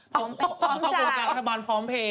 พร้อมจ่ายพร้อมเพย์ข้าวโปรดการรัฐบาลพร้อมเพย์